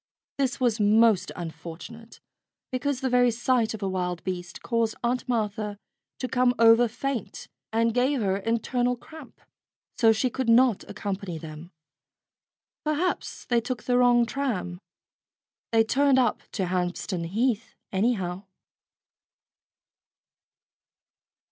This was most unfortunate, because the very sight of a wild beast caused Aunt Martha to come over faint and gave her internal cramp. So she could not accompany them. Perhaps they took the wrong tram. They turned up to Hampstead Heath, anyhow.